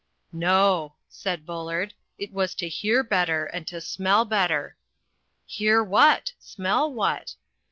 "No," said Bullard; "it was to hear better and to smell better." "Hear what? Smell what?"